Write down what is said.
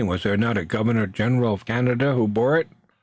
Was there not a Governor General of Canada who bore it?"